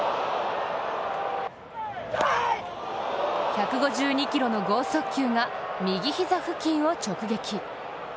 １５２キロの剛速球が右膝付近を直撃。